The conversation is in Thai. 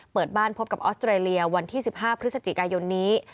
เปิดบ้านพบกับออสเตอร์เรียวันที่สิบห้าพฤษจิกายนี้